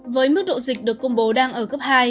với mức độ dịch được công bố đang ở cấp hai